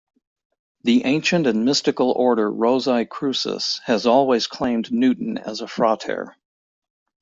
The Ancient and Mystical Order Rosae Crucis has always claimed Newton as a frater.